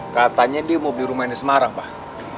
katanya dia mau beli rumah ini semarang pak